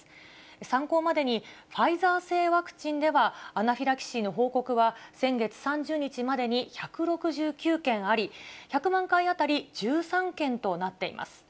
参考までに、ファイザー製ワクチンでは、アナフィラキシーの報告は先月３０日までに１６９件あり、１００万回当たり１３件となっています。